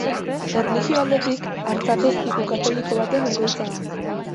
Erlijio aldetik artzapezpiku katoliko baten egoitza da.